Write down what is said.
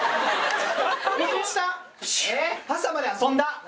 朝まで遊んだ。